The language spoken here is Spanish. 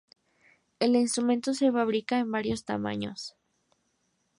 El instrumento se fabrica en varios tamaños.